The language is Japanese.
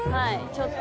ちょっと。